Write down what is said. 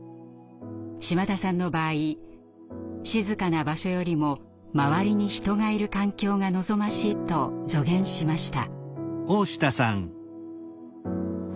島田さんの場合静かな場所よりも周りに人がいる環境が望ましいと助言しました。